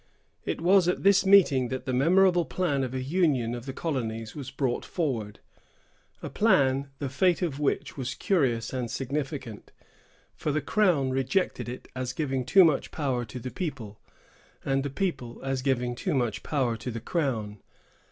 It was at this meeting that the memorable plan of a union of the colonies was brought forward; a plan, the fate of which was curious and significant, for the crown rejected it as giving too much power to the people, and the people as giving too much power to the crown.